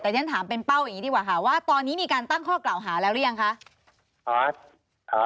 แต่ฉันถามเป็นเป้าอย่างนี้ดีกว่าค่ะว่าตอนนี้มีการตั้งข้อกล่าวหาแล้วหรือยังคะ